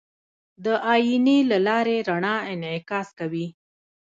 د آیینې له لارې رڼا انعکاس کوي.